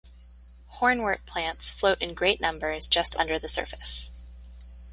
Hornwort plants float in great numbers just under the surface.